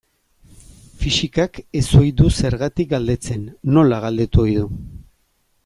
Fisikak ez ohi du zergatik galdetzen, nola galdetu ohi du.